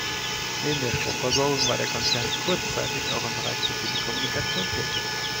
Neben der Stromversorgung war der Konzern kurzzeitig auch im Bereich der Telekommunikation tätig.